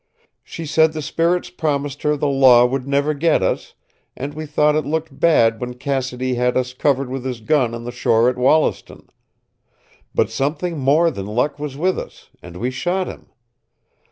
She said the spirits promised her the law would never get us, and we thought it looked bad when Cassidy had us covered with his gun on the shore at Wollaston. But something more than luck was with us, and we shot him.